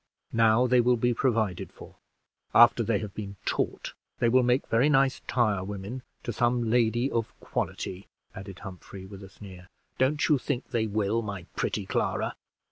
Now they will be provided for. After they have been taught, they will make very nice tirewomen to some lady of quality," added Humphrey, with a sneer. "Don't you think they will, my pretty Clara?"